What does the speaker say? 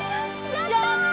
やった！